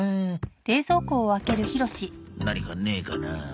何かねえかな。